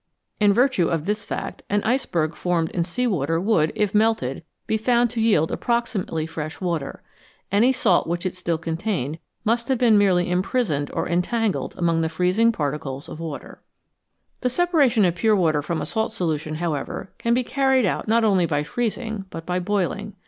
In virtue of this fact, an iceberg formed in sea water would, if melted, be found to yield approximately fresh water. Any salt which it still contained must have been merely imprisoned or entangled among the freezing particles of water. 308 FACTS ABOUT SOLUTIONS The separation of pure water from a salt solution, however, can be carried out not only by freezing, but by boiling.